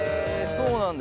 そうなんだ。